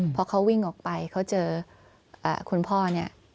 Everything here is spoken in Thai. พอเขาวิ่งออกไปเขาเจอคุณพ่อเนี่ย